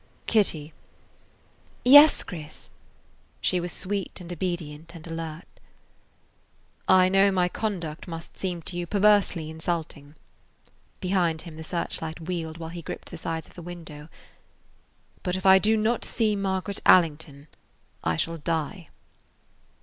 "Kitty." "Yes, Chris." She was sweet and obedient and alert. "I know my conduct must seem to you perversely insulting, "–behind him the search light wheeled while he gripped the sides of the window,–"but if I do [Page 58] not see Margaret Allington I shall die."